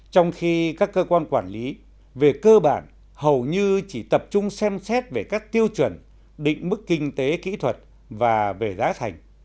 trong khi các cơ quan quản lý về cơ bản hầu như chỉ tập trung xem xét về các tiêu chuẩn định mức kinh tế kỹ thuật và về giá thành